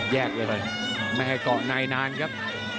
แยกด้วยเลยไม่ให้เกาะนายนานครับ